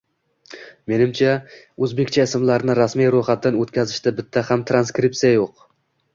Menimcha, o'zbekcha ismlarni rasmiy ro'yxatdan o'tkazishda bitta ham transkripsiya yo'q